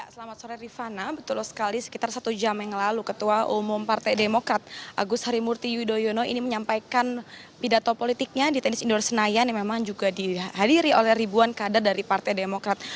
selamat sore rifana betul sekali sekitar satu jam yang lalu ketua umum partai demokrat agus harimurti yudhoyono ini menyampaikan pidato politiknya di tenis indoor senayan yang memang juga dihadiri oleh ribuan kader dari partai demokrat